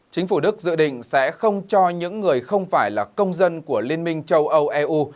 chính phủ đức dự định sẽ không cho những người không phải là công dân của liên minh châu âu eu